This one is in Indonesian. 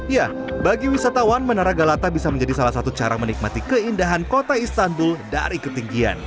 ya bagi wisatawan menara galata bisa menjadi salah satu cara menikmati keindahan kota istanbul dari ketinggian